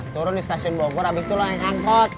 turun di stasiun bogor abis itu lo naik angkot